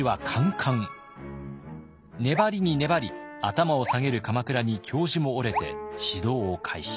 粘りに粘り頭を下げる鎌倉に教授も折れて指導を開始。